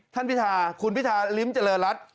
ท่านพิธาคุณพิธาริมเจริรัติ